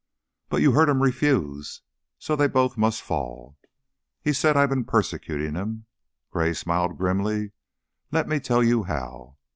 But you heard him refuse. So they must both fall. He said I've been persecuting him " Gray smiled grimly. "Let me tell you how.